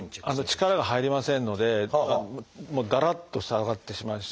力が入りませんのでだらっと下がってしまうし。